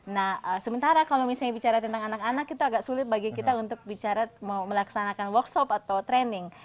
nah sementara kalau misalnya bicara tentang anak anak itu agak sulit bagi kita untuk bicara mau melaksanakan workshop atau training